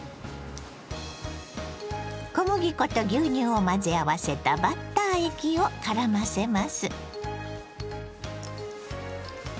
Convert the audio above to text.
小麦粉と牛乳を混ぜ合わせたバッター液をからませます。